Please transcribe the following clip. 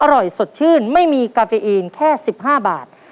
อร่อยสดชื่นไม่มีกาเฟอีนแค่๑๕บาท